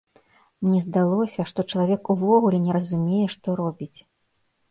Мне здалося, што чалавек увогуле не разумее, што робіць.